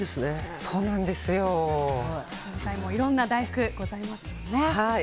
いろんな大福ございますもんね。